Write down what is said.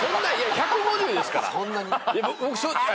１５０ですから。